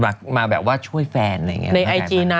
โทรมาช่วยแฟนอะไรเงี้ย